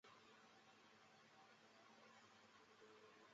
他与祖父一起葬于圣若望及保禄堂中。